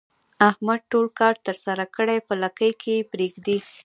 احمد ټول کار ترسره کړي په لکۍ کې یې پرېږدي.